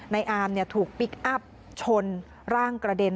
อาร์มถูกพลิกอัพชนร่างกระเด็น